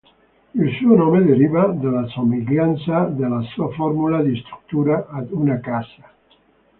Il suo nome deriva dalla somiglianza della sua formula di struttura ad una casa.